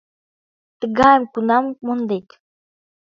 Тыгайым кунам мондет?